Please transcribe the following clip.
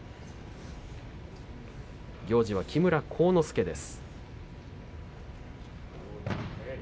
行司は木村晃之助です。